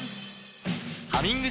「ハミング」